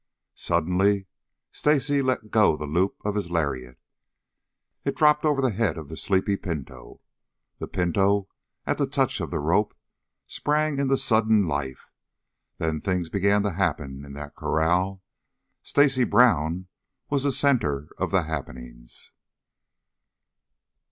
Suddenly Stacy let go the loop of his lariat. It dropped over the head of the sleepy pinto. The pinto, at the touch of the rope, sprang into sudden life. Then things began to happen in that corral. Stacy Brown was the center of the happenings.